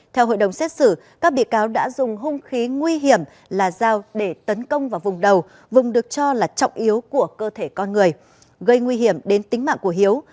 theo hội đồng xét xử các bị cáo đã dùng hung khí nguy hiểm là dao để tấn công vào vùng đầu vùng được cho là trọng yếu của cơ thể con người gây nguy hiểm đến tính mạng của hiếu